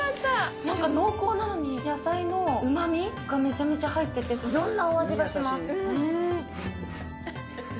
なんか濃厚なのに、野菜のうまみがめちゃめちゃ入ってて、いろんなお味がします。